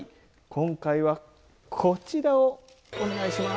今回はこちらをお願いします。